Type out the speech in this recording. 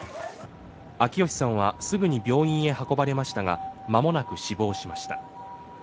秋吉さんはすぐに病院へ運ばれましたが間もなく死亡しました。